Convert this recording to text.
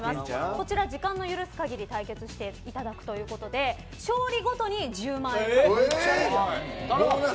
こちら時間の許す限り対決していただくということで勝利ごとに１０万円。